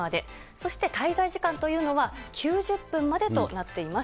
そして滞在時間というのは、９０分までとなっています。